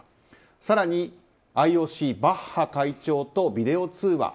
更に、ＩＯＣバッハ会長とビデオ通話。